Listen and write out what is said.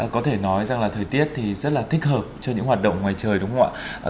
có thể nói rằng là thời tiết thì rất là thích hợp cho những hoạt động ngoài trời đúng không ạ